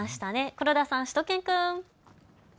黒田さん、しゅと犬くん。